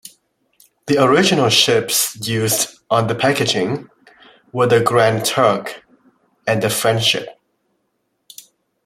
The original ships used on the packaging were the "Grand Turk" and the "Friendship".